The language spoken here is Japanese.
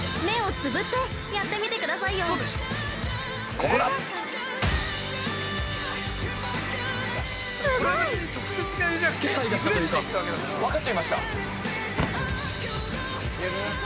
◆ここだ！◆分かっちゃいました！